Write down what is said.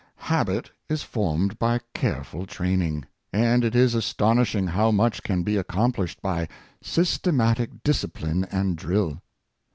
Habit is formed by careful training. And it is astonishing how much can be accomplished by syste matic discipline and drill.